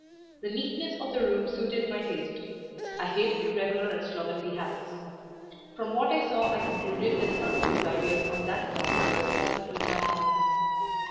The neatness of the room suited my taste; I hate irregular and slovenly habits. From what I saw I concluded that Hunsden's ideas on that point corresponded with my own.